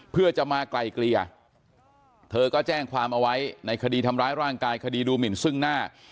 เพื่อจะมาไกลเกลี่ยเธอก็แจ้งความเอาไว้ในคดีทำร้ายร่างกายคดีดูหมินซึ่งหน้า